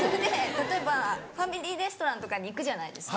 例えばファミリーレストランとかに行くじゃないですか。